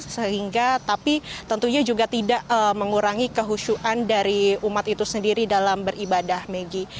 sehingga tapi tentunya juga tidak mengurangi kehusuan dari umat itu sendiri dalam beribadah megi